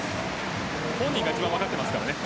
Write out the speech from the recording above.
本人が一番分かっていますからね。